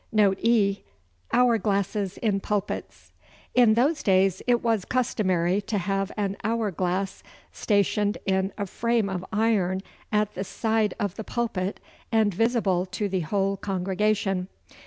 Note E. Hour glasses in Pulpits. In those days it was customary to have an hour glass stationed in a frame of iron at the side of the pulpit, and visible to the whole congregation.